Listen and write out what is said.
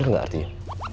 itu bener gak artinya